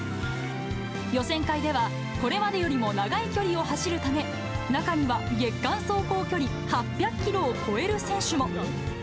予選会では、これまでよりも長い距離を走るため、中には月間走行距離８００キロを超える選手も。